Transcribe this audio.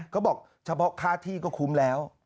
เขาบอกเฉพาะค่าที่ก็คุ้มแล้ว